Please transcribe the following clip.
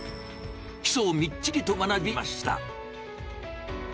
基礎をみっちりと学びました。